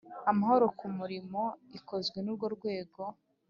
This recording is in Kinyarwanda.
Amahoro ku mirimo ikozwe n urwo rwego